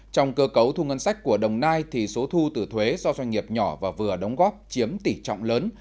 trong cơ cấu thu ngân sách của đồng nai thì số thu từ thuế do doanh nghiệp nhỏ và vừa đóng góp chiếm tỷ trọng lớn